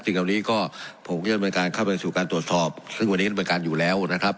สิ่งเหล่านี้ก็ผมก็จะดำเนินการเข้าไปสู่การตรวจสอบซึ่งวันนี้ดำเนินการอยู่แล้วนะครับ